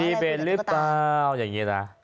เบนหรือเปล่าอย่างนี้นะ